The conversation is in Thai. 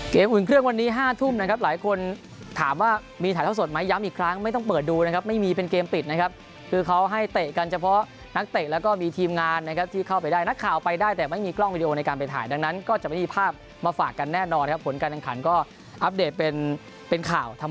อุ่นเครื่องวันนี้๕ทุ่มนะครับหลายคนถามว่ามีถ่ายเท่าสดไหมย้ำอีกครั้งไม่ต้องเปิดดูนะครับไม่มีเป็นเกมปิดนะครับคือเขาให้เตะกันเฉพาะนักเตะแล้วก็มีทีมงานนะครับที่เข้าไปได้นักข่าวไปได้แต่ไม่มีกล้องวิดีโอในการไปถ่ายดังนั้นก็จะไม่มีภาพมาฝากกันแน่นอนครับผลการแข่งขันก็อัปเดตเป็นเป็นข่าวทำ